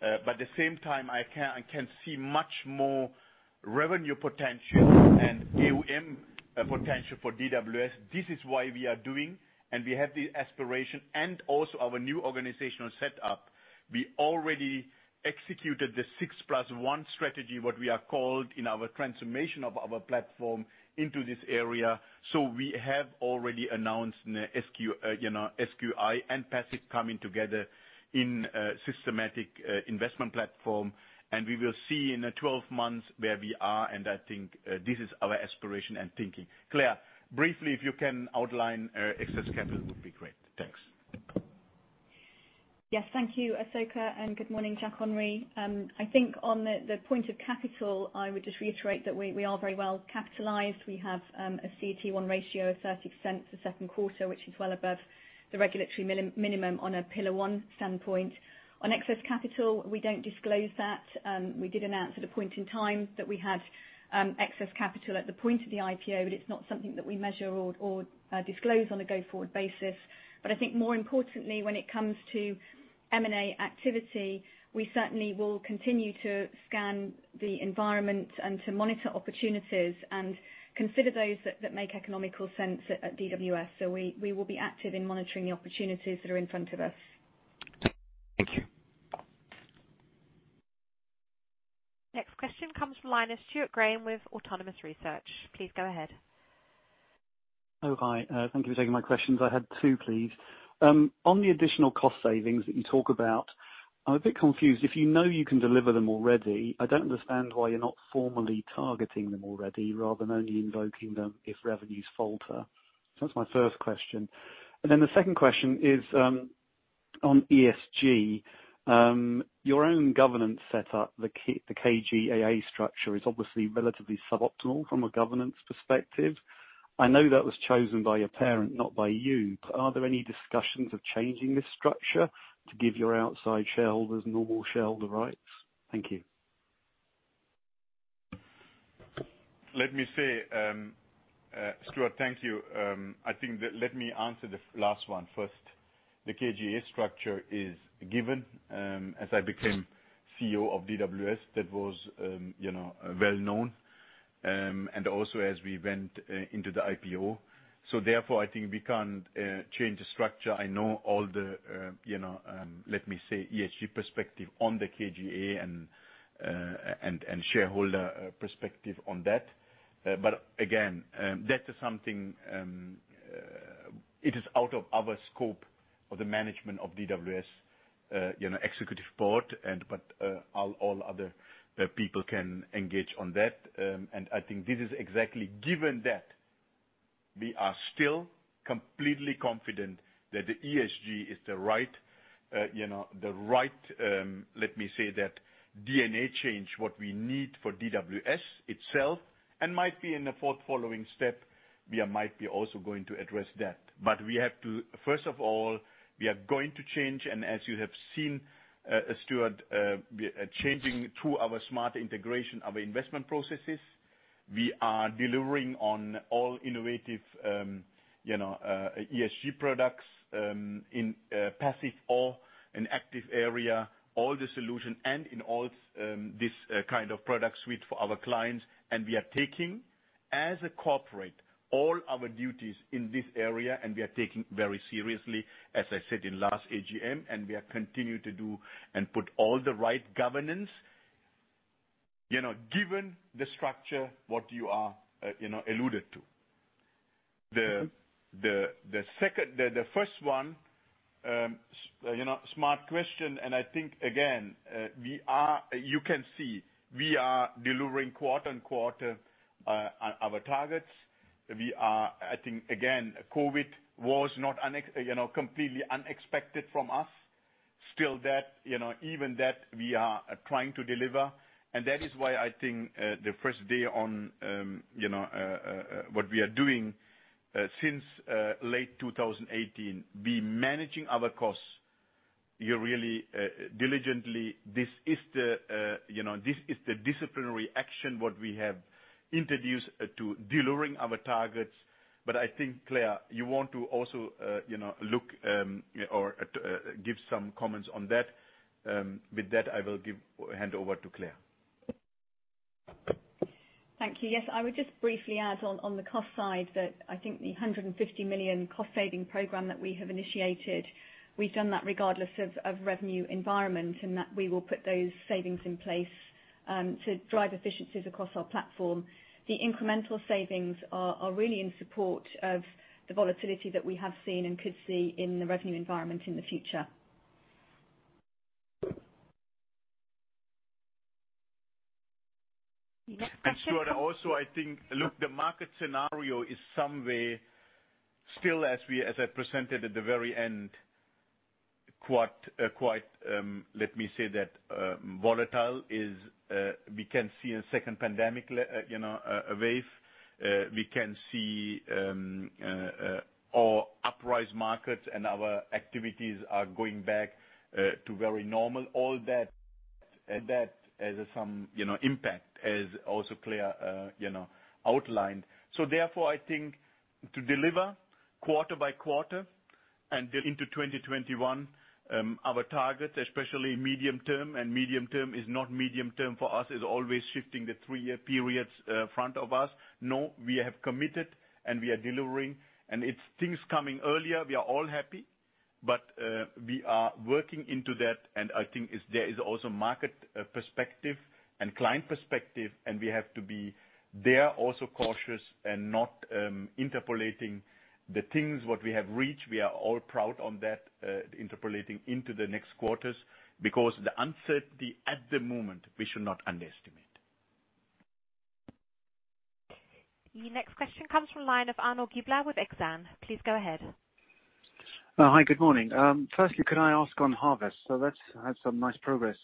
At the same time, I can see much more revenue potential and AUM potential for DWS. This is why we are doing, and we have the aspiration and also our new organizational set up. We already Six Plus One strategy, what we are called in our transformation of our platform into this area. We have already announced SQI and passive coming together in Systematic Investment Platform. We will see in the 12 months where we are, and I think this is our aspiration and thinking. Claire, briefly, if you can outline excess capital would be great. Thank you. Yes. Thank you, Asoka, and good morning, Jacques-Henri. I think on the point of capital, I would just reiterate that we are very well capitalized. We have a CET1 ratio of 30% for second quarter, which is well above the regulatory minimum on a Pillar 1 standpoint. On excess capital, we do not disclose that. We did announce at a point in time that we had excess capital at the point of the IPO, but it is not something that we measure or disclose on a go-forward basis. I think more importantly, when it comes to M&A activity, we certainly will continue to scan the environment and to monitor opportunities and consider those that make economical sense at DWS. We will be active in monitoring the opportunities that are in front of us. Thank you. Next question comes from Stuart Graham with Autonomous Research. Please go ahead. Oh, hi. Thank you for taking my questions. I had two, please. On the additional cost savings that you talk about, I'm a bit confused. If you know you can deliver them already, I don't understand why you're not formally targeting them already rather than only invoking them if revenues falter. That's my first question. The second question is on ESG. Your own governance set up, the KGaA structure, is obviously relatively suboptimal from a governance perspective. I know that was chosen by your parent, not by you, but are there any discussions of changing this structure to give your outside shareholders normal shareholder rights? Thank you. Let me say, Stuart, thank you. I think let me answer the last one first. The KGaA structure is given. As I became CEO of DWS, that was well known, and also as we went into the IPO. Therefore, I think we can't change the structure. I know all the, let me say, ESG perspective on the KGaA and shareholder perspective on that. Again, that is something, it is out of our scope of the management of DWS executive board. All other people can engage on that. I think this is exactly given that we are still completely confident that the ESG is the right, let me say that, DNA change, what we need for DWS itself, and might be in the fourth following step, we might be also going to address that. We have to, first of all, we are going to change, and as you have seen, Stuart, changing to our Smart Integration of investment processes. We are delivering on all innovative ESG products in passive or in active area, all the solution and in all this kind of product suite for our clients. We are taking, as a corporate, all our duties in this area, and we are taking very seriously, as I said in last AGM, and we are continuing to do and put all the right governance, given the structure, what you alluded to. The first one, smart question, and I think, again, you can see we are delivering quarter-on-quarter our targets. I think, again, COVID-19 was not completely unexpected from us. Still, even that we are trying to deliver, that is why I think the first day on what we are doing since late 2018, be managing our costs really diligently. This is the disciplinary action, what we have introduced to delivering our targets. I think, Claire, you want to also look or give some comments on that. With that, I will hand over to Claire. Thank you. I would just briefly add on the cost side that I think the 150 million cost saving program that we have initiated, we've done that regardless of revenue environment and that we will put those savings in place to drive efficiencies across our platform. The incremental savings are really in support of the volatility that we have seen and could see in the revenue environment in the future. Stuart, also, I think, look, the market scenario is some way still as I presented at the very end, quite volatile. We can see a second pandemic wave. We can see our uprise markets and our activities are going back to very normal. All that has some impact as also Claire outlined. Therefore, I think to deliver quarter-by-quarter and into 2021 our targets, especially medium term, and medium term is not medium term for us, is always shifting the three-year periods front of us. We have committed, and we are delivering. It's things coming earlier, we are all happy, but we are working into that. I think there is also market perspective and client perspective. We have to be there also cautious and not interpolating the things what we have reached. We are all proud on that, interpolating into the next quarters because the uncertainty at the moment, we should not underestimate. Your next question comes from the line of Arnaud Giblat with Exane. Please go ahead. Hi, good morning. Could I ask on Harvest? That's had some nice progress.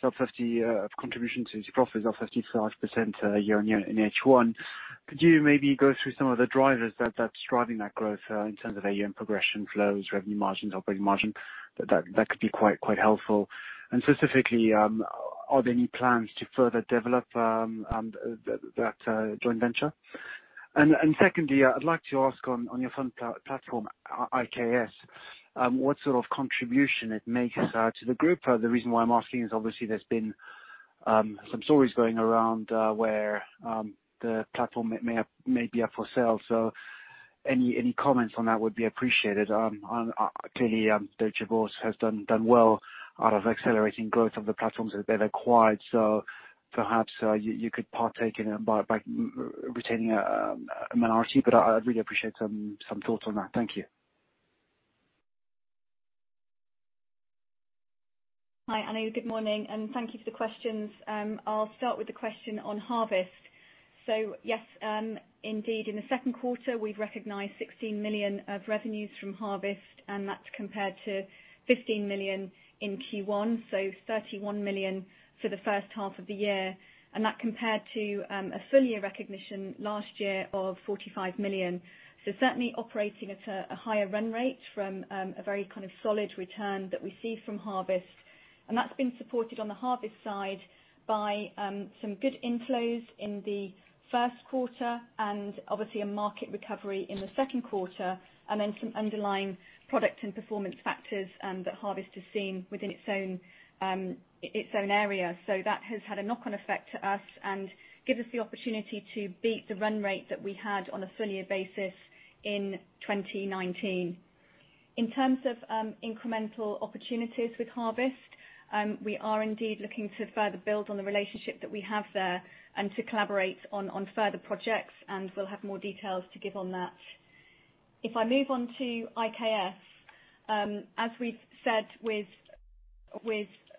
Contribution to profits of 55% year-over-year in H1. Could you maybe go through some of the drivers that's driving that growth in terms of AUM progression flows, revenue margins, operating margin? That could be quite helpful. Specifically, are there any plans to further develop that joint venture? Secondly, I'd like to ask on your fund platform, IKS, what sort of contribution it makes to the group? The reason why I'm asking is obviously there's been some stories going around where the platform may be up for sale. Any comments on that would be appreciated. Clearly, Deutsche Börse has done well out of accelerating growth of the platforms that they've acquired. Perhaps you could partake in it by retaining a minority, but I'd really appreciate some thoughts on that. Thank you. Hi, Arnaud. Good morning, thank you for the questions. I'll start with the question on Harvest. Yes, indeed, in the second quarter, we've recognized 16 million of revenues from Harvest, and that's compared to 15 million in Q1, so 31 million for the first half of the year. That compared to a full year recognition last year of 45 million. Certainly operating at a higher run rate from a very solid return that we see from Harvest. That's been supported on the Harvest side by some good inflows in the first quarter and obviously a market recovery in the second quarter, and then some underlying product and performance factors that Harvest has seen within its own area. That has had a knock-on effect to us and gives us the opportunity to beat the run rate that we had on a full year basis in 2019. In terms of incremental opportunities with Harvest, we are indeed looking to further build on the relationship that we have there and to collaborate on further projects, and we'll have more details to give on that. If I move on to IKS, as we've said with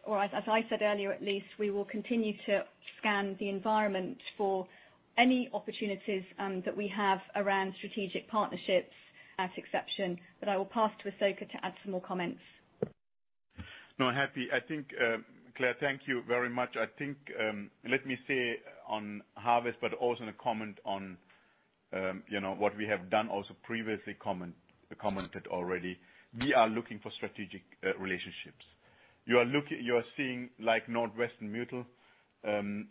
or as I said earlier at least, we will continue to scan the environment for any opportunities that we have around strategic partnerships at exception. I will pass to Asoka to add some more comments. No, happy. Claire, thank you very much. Also to comment on what we have done also previously commented already. We are looking for strategic relationships. You are seeing like Northwestern Mutual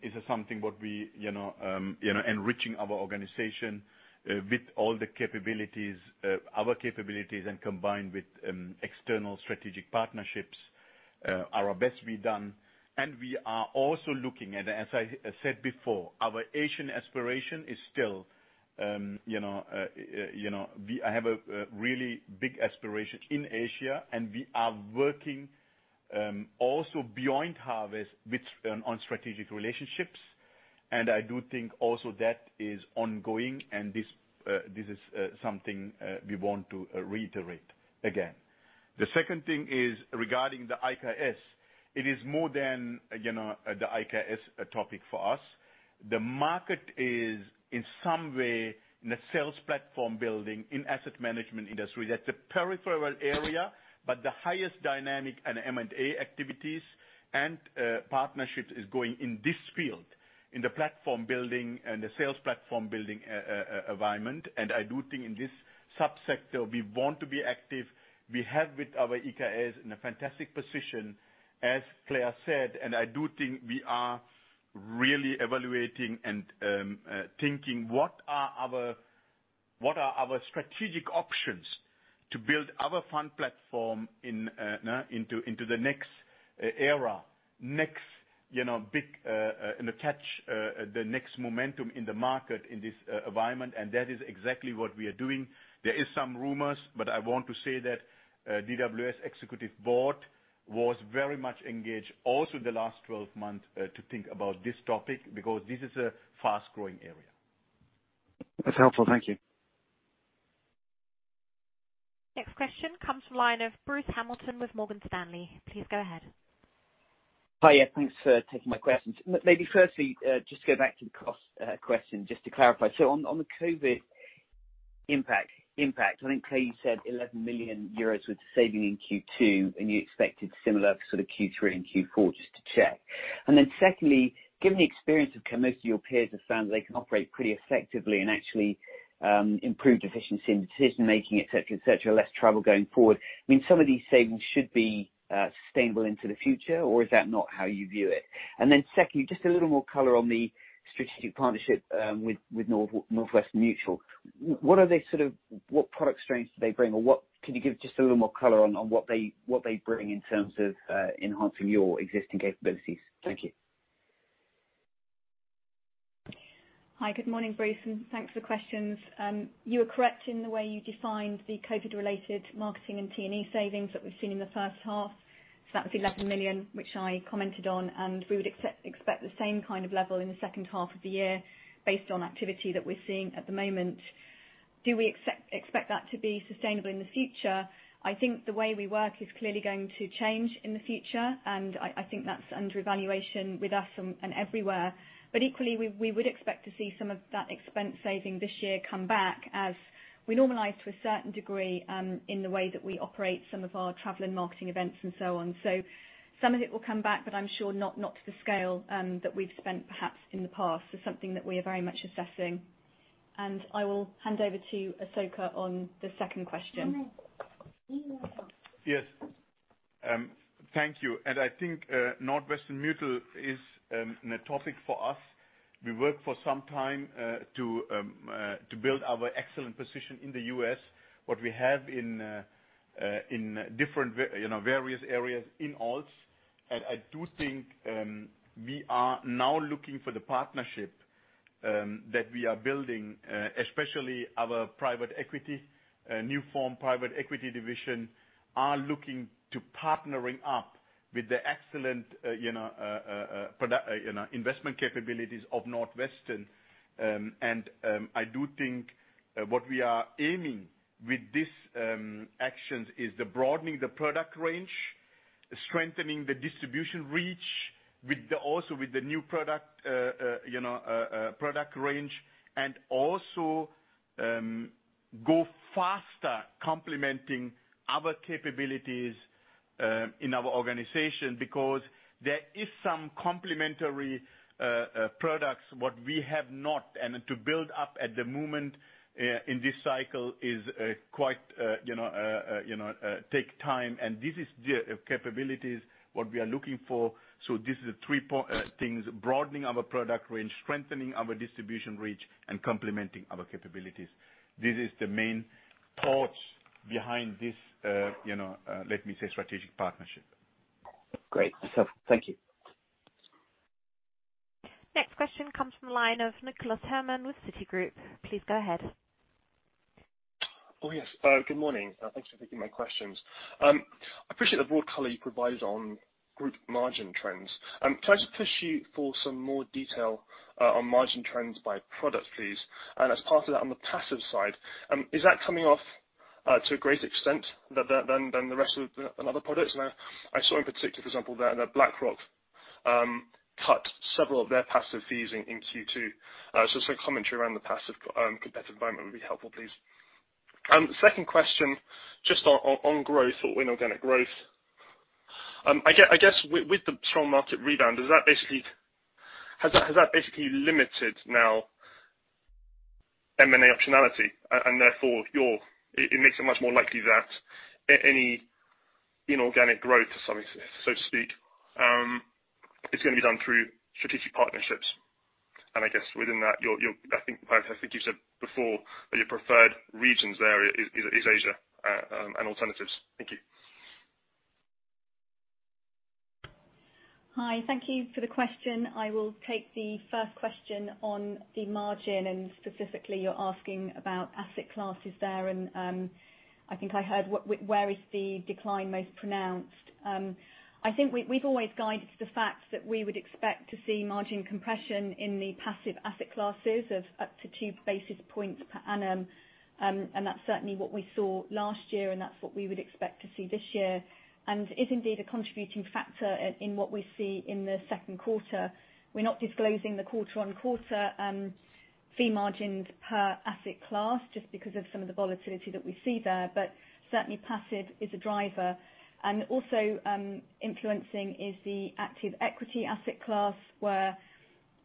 is something what we, enriching our organization with all the capabilities, our capabilities, and combined with external strategic partnerships are best to be done. We are also looking at, as I said before, our Asian aspiration. I have a really big aspiration in Asia, and we are working also beyond Harvest on strategic relationships. I do think also that is ongoing, and this is something we want to reiterate again. The second thing is regarding the IKS. It is more than the IKS topic for us. The market is, in some way, in a sales platform building in asset management industry. That's a peripheral area, but the highest dynamic and M&A activities and partnerships is going in this field, in the platform building and the sales platform building environment. I do think in this subsector, we want to be active. We have with our IKS in a fantastic position, as Claire said, and I do think we are really evaluating and thinking what are our strategic options to build our fund platform into the next era, and attach the next momentum in the market in this environment, and that is exactly what we are doing. There is some rumors, but I want to say that DWS executive board was very much engaged also the last 12 months to think about this topic because this is a fast-growing area. That's helpful. Thank you. Next question comes from the line of Bruce Hamilton with Morgan Stanley. Please go ahead. Hi. Thanks for taking my questions. Firstly, just to go back to the cost question, just to clarify. On the COVID impact, I think, Claire, you said 11 million euros worth of saving in Q2, and you expected similar sort of Q3 and Q4, just to check. Secondly, given the experience of most of your peers have found that they can operate pretty effectively and actually improve efficiency in decision making, etc. Less trouble going forward. Some of these savings should be sustainable into the future, or is that not how you view it? Secondly, just a little more color on the strategic partnership with Northwestern Mutual. What product strengths do they bring, or can you give just a little more color on what they bring in terms of enhancing your existing capabilities? Thank you. Hi. Good morning, Bruce, and thanks for the questions. You are correct in the way you defined the COVID-related marketing and T&E savings that we've seen in the first half. That was 11 million, which I commented on, and we would expect the same kind of level in the second half of the year based on activity that we're seeing at the moment. Do we expect that to be sustainable in the future? I think the way we work is clearly going to change in the future, and I think that's under evaluation with us and everywhere. Equally, we would expect to see some of that expense saving this year come back as we normalize to a certain degree in the way that we operate some of our travel and marketing events and so on. Some of it will come back, but I'm sure not to the scale that we've spent, perhaps, in the past. It's something that we are very much assessing. I will hand over to Asoka on the second question. Yes. Thank you. I think Northwestern Mutual is a topic for us. We work for some time to build our excellent position in the U.S., what we have in different various areas in Alts. I do think we are now looking for the partnership that we are building, especially our private equity. New form private equity division are looking to partnering up with the excellent investment capabilities of Northwestern. I do think what we are aiming with these actions is the broadening the product range, strengthening the distribution reach, also with the new product range, and also go faster complementing our capabilities in our organization, because there is some complementary products what we have not. To build up at the moment in this cycle take time, and this is the capabilities, what we are looking for. These are the three things, broadening our product range, strengthening our distribution reach, and complementing our capabilities. This is the main thought behind this let me say, strategic partnership. Great. Asoka, thank you. Next question comes from the line of Nicholas Herman with Citigroup. Please go ahead. Oh, yes. Good morning. Thanks for taking my questions. I appreciate the broad color you provided on group margin trends. Can I just push you for some more detail on margin trends by product, please? As part of that, on the passive side, is that coming off to a greater extent than the rest of the other products? I saw in particular, for example, that BlackRock cut several of their passive fees in Q2. Some commentary around the passive competitive environment would be helpful, please. Second question, just on growth or inorganic growth. I guess with the strong market rebound, has that basically limited now M&A optionality? Therefore, it makes it much more likely that any inorganic growth, so to speak, is going to be done through strategic partnerships. I guess within that, I think you said before that your preferred regions there is Asia and alternatives. Thank you. Hi. Thank you for the question. I will take the first question on the margin, and specifically, you're asking about asset classes there and I think I heard where is the decline most pronounced. That's certainly what we saw last year, and that's what we would expect to see this year. It is indeed a contributing factor in what we see in the second quarter. We're not disclosing the quarter-on-quarter fee margins per asset class, just because of some of the volatility that we see there. Certainly passive is a driver. Also influencing is the active equity asset class, where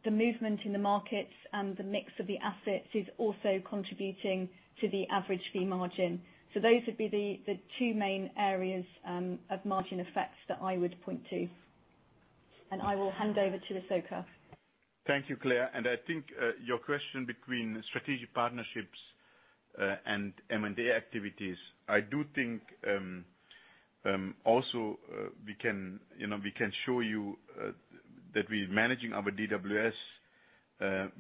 the movement in the markets and the mix of the assets is also contributing to the average fee margin. Those would be the two main areas of margin effects that I would point to. I will hand over to Asoka. Thank you, Claire. I think your question between strategic partnerships and M&A activities. I do think also we can show you that we're managing our DWS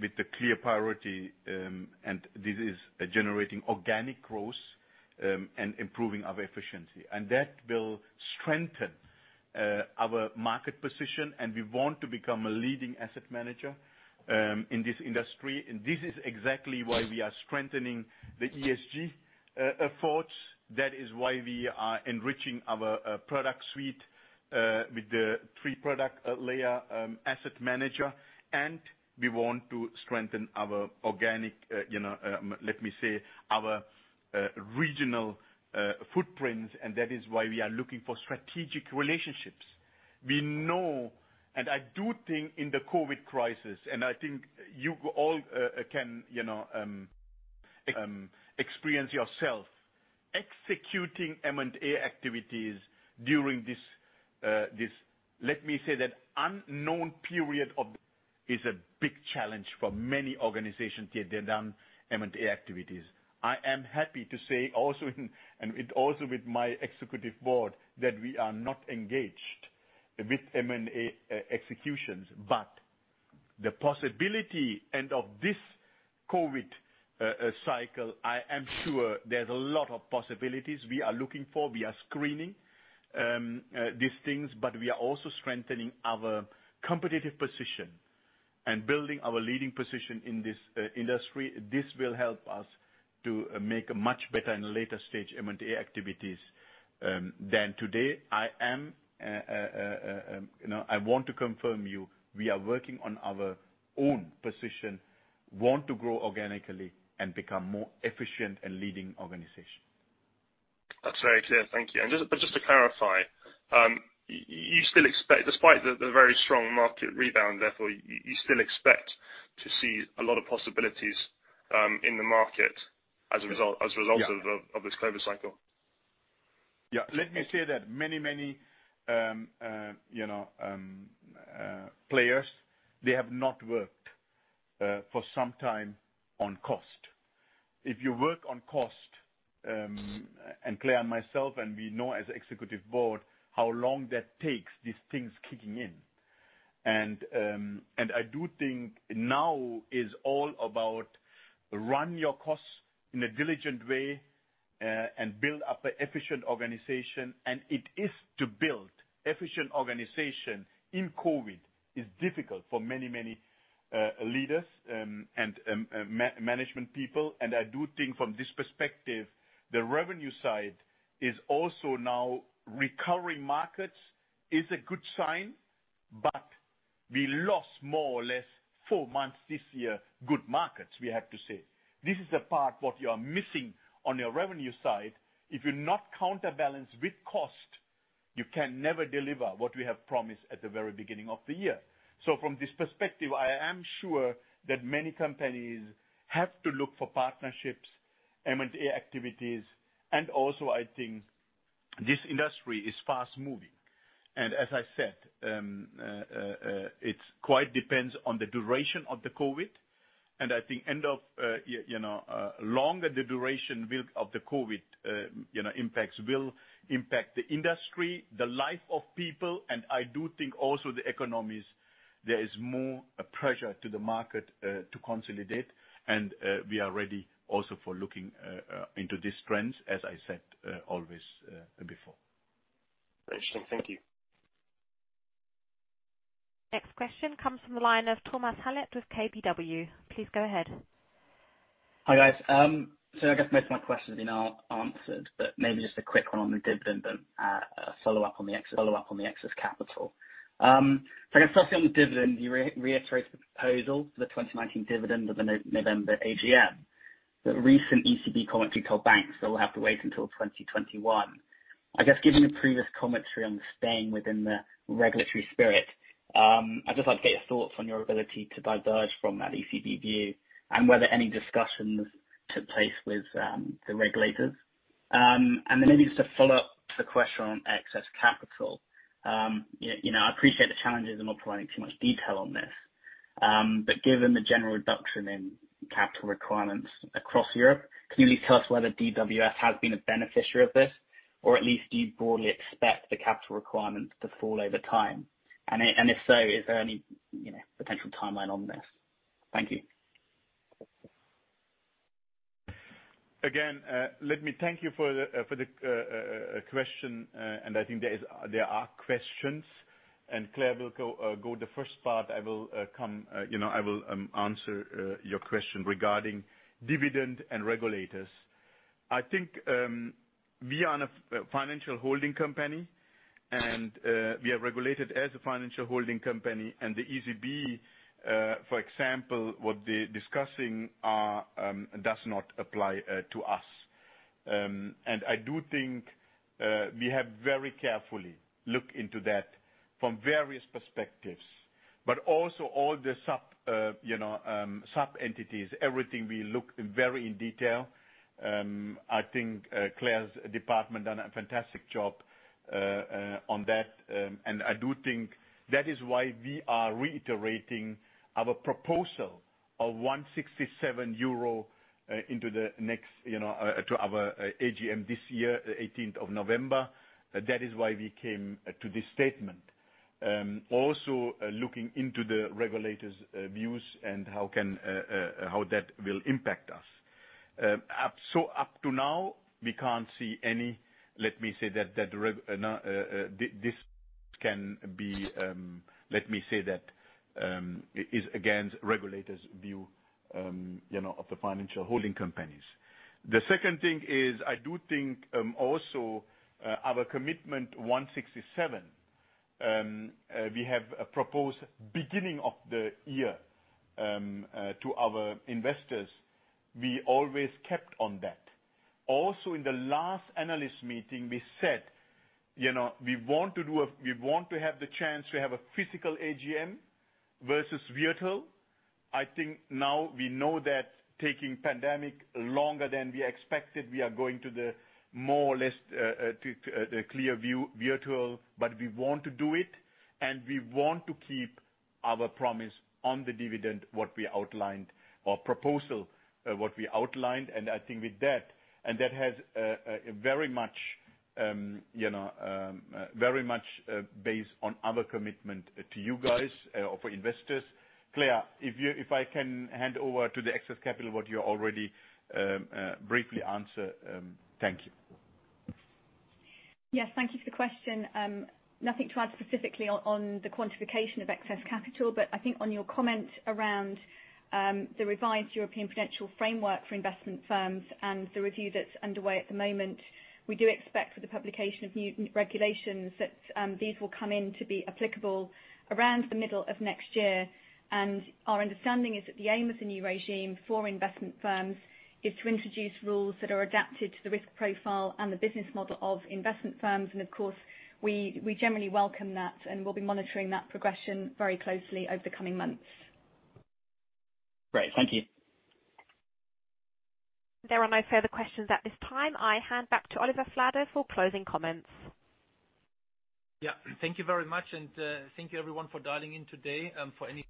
with the clear priority, and this is generating organic growth and improving our efficiency. That will strengthen our market position, and we want to become a leading asset manager in this industry. This is exactly why we are strengthening the ESG efforts. That is why we are enriching our product suite with the three product layer asset manager. We want to strengthen our organic, let me say, our regional footprints, and that is why we are looking for strategic relationships. We know, I do think in the COVID crisis, and I think you all can experience yourself, executing M&A activities during this, let me say that unknown period is a big challenge for many organizations yet they've done M&A activities. I am happy to say also and with also with my executive board, that we are not engaged with M&A executions. The possibility, and of this COVID cycle, I am sure there's a lot of possibilities. We are looking for, we are screening these things, but we are also strengthening our competitive position. Building our leading position in this industry, this will help us to make much better in later stage M&A activities than today. I want to confirm you, we are working on our own position, we want to grow organically, and become more efficient and leading organization. That's very clear. Thank you. Just to clarify, despite the very strong market rebound, therefore, you still expect to see a lot of possibilities in the market as a result- Yeah ...of this COVID cycle? Yeah. Let me say that many players, they have not worked for some time on cost. If you work on cost, and Claire and myself, and we know as executive board how long that takes these things kicking in. I do think now is all about run your costs in a diligent way, and build up an efficient organization. It is to build efficient organization in COVID is difficult for many, many leaders and management people. I do think from this perspective, the revenue side is also now recovering markets is a good sign, but we lost more or less four months this year, good markets, we have to say. This is the part what you are missing on your revenue side. If you not counterbalance with cost, you can never deliver what we have promised at the very beginning of the year. From this perspective, I am sure that many companies have to look for partnerships, M&A activities. Also, I think this industry is fast-moving. As I said, it's quite depends on the duration of the COVID, and I think longer the duration of the COVID will impact the industry, the life of people, and I do think also the economies. There is more pressure to the market to consolidate, and we are ready also for looking into these trends, as I said always before. Very interesting. Thank you. Next question comes from the line of Thomas Hallett with KBW. Please go ahead. Hi, guys. I guess most of my question has been answered, but maybe just a quick one on the dividend and a follow-up on the excess capital. I guess firstly on the dividend, you reiterated the proposal for the 2019 dividend at the November AGM. The recent ECB commentary told banks they will have to wait until 2021. I guess given the previous commentary on staying within the regulatory spirit, I'd just like to get your thoughts on your ability to diverge from that ECB view, and whether any discussions took place with the regulators. Maybe just to follow up the question on excess capital. I appreciate the challenges in not providing too much detail on this. Given the general reduction in capital requirements across Europe, can you at least tell us whether DWS has been a beneficiary of this? At least, do you broadly expect the capital requirements to fall over time? If so, is there any potential timeline on this? Thank you. Again, let me thank you for the question. I think there are questions. Claire will go the first part. I will answer your question regarding dividend and regulators. I think we are a financial holding company, and we are regulated as a financial holding company. The ECB, for example, what they're discussing does not apply to us. I do think we have very carefully looked into that from various perspectives. Also all the sub-entities, everything we look very in detail. I think Claire's department done a fantastic job on that. I do think that is why we are reiterating our proposal of 1.67 euro to our AGM this year, 18th of November. That is why we came to this statement. Also looking into the regulators' views and how that will impact us. Up to now, we can't see any, let me say that this can be, let me say that is against regulators' view of the financial holding companies. The second thing is, I do think also our commitment 1.67, we have proposed beginning of the year to our investors. We always kept on that. Also in the last analyst meeting, we said we want to have the chance to have a physical AGM versus virtual. I think now we know that taking pandemic longer than we expected, we are going to the more or less the clear view virtual, but we want to do it, and we want to keep our promise on the dividend, what we outlined, or proposal what we outlined. I think with that, and that has very much based on our commitment to you guys, or for investors. Claire, if I can hand over to the excess capital what you already briefly answer. Thank you. Yes. Thank you for the question. Nothing to add specifically on the quantification of excess capital, I think on your comment around the revised European prudential framework for investment firms and the review that's underway at the moment, we do expect for the publication of new regulations that these will come in to be applicable around the middle of next year. Our understanding is that the aim of the new regime for investment firms is to introduce rules that are adapted to the risk profile and the business model of investment firms. Of course, we generally welcome that, and we'll be monitoring that progression very closely over the coming months. Great. Thank you. There are no further questions at this time. I hand back to Oliver Flade for closing comments. Yeah. Thank you very much. Thank you everyone for dialing in today. For any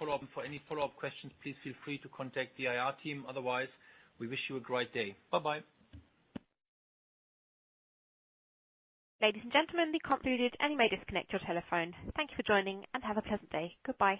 follow-up questions, please feel free to contact the IR team. Otherwise, we wish you a great day. Bye-bye. Ladies and gentlemen, we concluded, and you may disconnect your telephone. Thank you for joining, and have a pleasant day. Goodbye.